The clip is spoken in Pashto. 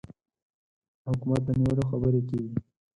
د حکومت د نیولو خبرې کېږي.